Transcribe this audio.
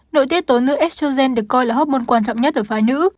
nội tiết tối nữ estrogen được coi là hormone quan trọng nhất ở phái nữ